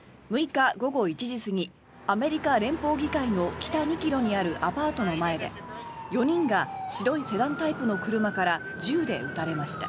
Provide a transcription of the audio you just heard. ６日午後１時過ぎアメリカ連邦議会の北２ｋｍにあるアパートの前で４人が白いセダンタイプの車から銃で撃たれました。